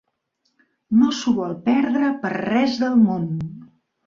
No s'ho vol perdre per res del món.